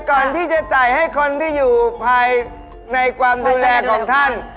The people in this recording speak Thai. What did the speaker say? ก่อนที่จะใส่ให้คนที่อยู่ภายในความดูแลของท่าน